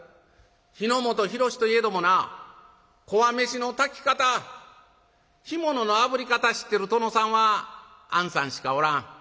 日の本広しといえどもなこわ飯の炊き方干物のあぶり方知ってる殿さんはあんさんしかおらん。